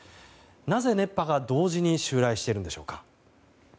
なぜ熱波が同時に襲来しているんでしょうか。